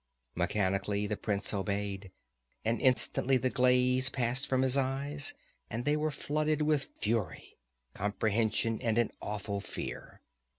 Mechanically the prince obeyed. And instantly the glaze passed from his eyes and they were flooded with fury, comprehension and an awful fear.